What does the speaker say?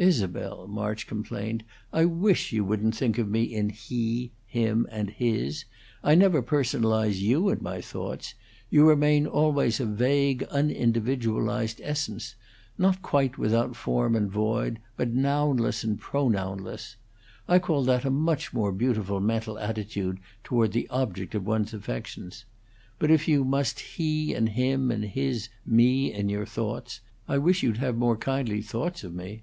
"Isabel," March complained, "I wish you wouldn't think of me in he, him, and his; I never personalize you in my thoughts: you remain always a vague unindividualized essence, not quite without form and void, but nounless and pronounless. I call that a much more beautiful mental attitude toward the object of one's affections. But if you must he and him and his me in your thoughts, I wish you'd have more kindly thoughts of me."